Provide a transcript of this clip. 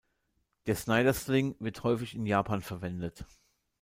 Die Snyder Sling wird häufig in Japan verwendet.